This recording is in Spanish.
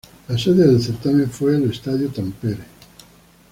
La sede del certamen fue el Estadio Tampere.